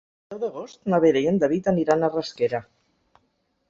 El deu d'agost na Vera i en David aniran a Rasquera.